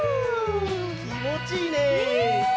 きもちいいね！ね！